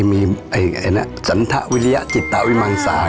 มือแซนธวิริยะศิษยาวิมังศา